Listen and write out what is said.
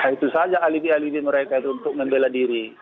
itu saja alibi alibi mereka itu untuk membela diri